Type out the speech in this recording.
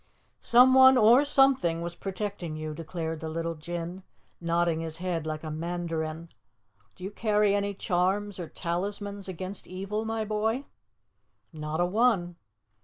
"Someone or something was protecting you," declared the little Jinn, nodding his head like a mandarin. "Do you carry any charms or talismans against evil, my boy?" "Not a one."